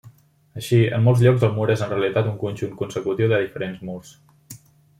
Així, en molts llocs el mur és en realitat un conjunt consecutiu de diferents murs.